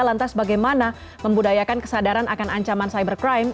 lantas bagaimana membudayakan kesadaran akan ancaman cybercrime